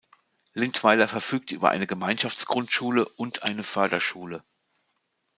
Lindweiler verfügt über eine Gemeinschaftsgrundschule und eine Förderschule.